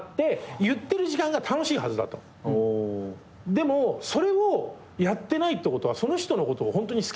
でもそれをやってないってことはその人のことをホントに好きじゃないんだよって言われて。